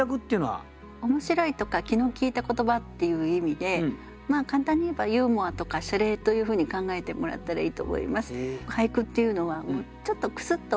「面白い」とか「気の利いた言葉」っていう意味で簡単に言えば「ユーモア」とか「しゃれ」というふうに考えてもらったらいいと思います。